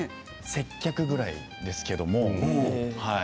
接客ぐらいですけれども。